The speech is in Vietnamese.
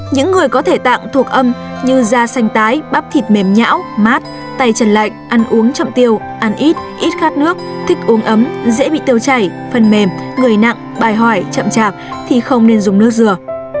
những người có thể tạng thuộc âm như da xanh tái bắp thịt mềm nhão mát tay trần lạnh ăn uống chậm tiêu ăn ít ít khát nước thích uống ấm dễ bị tiêu chảy phần mềm người nặng bài hỏi chậm chạp thì không nên dùng nước dừa